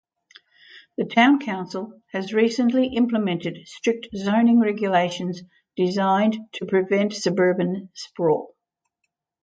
The town council has recently implemented strict zoning regulations designed to prevent suburban sprawl.